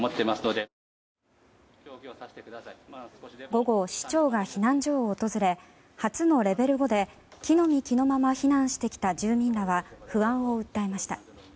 午後、市長が避難所を訪れ初のレベル５で着の身着のまま避難してきた住民らは不安を訴えました。